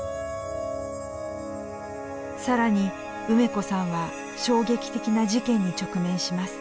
更に梅子さんは衝撃的な事件に直面します。